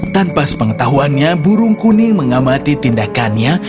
tanpa sepengetahuannya burung kuning mengamati tindakannya